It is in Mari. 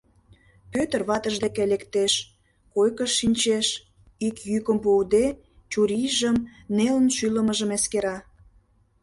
Пӧтыр ватыж деке лектеш, койкыш шинчеш, ик йӱкым пуыде, чурийжым, нелын шӱлымыжым эскера.